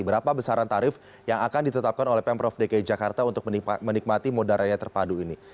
berapa besaran tarif yang akan ditetapkan oleh pemprov dki jakarta untuk menikmati moda raya terpadu ini